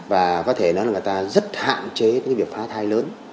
và có thể nói là người ta rất hạn chế cái việc phá thai lớn